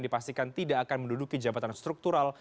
dipastikan tidak akan menduduki jabatan struktural